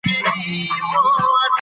واوره به د ونې پر پښو ډېر وخت پرته وي.